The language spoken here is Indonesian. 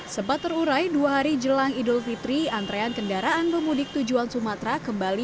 sempat terurai dua hari jelang idul fitri antrean kendaraan pemudik tujuan sumatera kembali